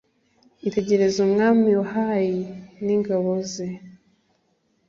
itegereze, umwami wa hayi n'ingabo ze